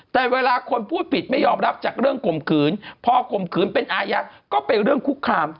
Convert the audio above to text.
แต่เวลาคนพูดผิดไม่ยอมรับจากเรื่องข่มขืนพอข่มขืนเป็นอายะก็เป็นเรื่องคุกคาม